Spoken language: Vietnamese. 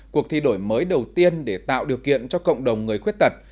cuộc thi đổi mới đầu tiên để tạo điều kiện cho cộng đồng người khuyết tật